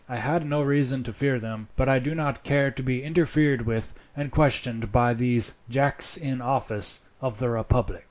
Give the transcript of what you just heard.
I had no reason to fear them, but I do not care to be interfered with and questioned by these jacks in office of the republic."